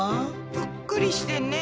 ぷっくりしてんね。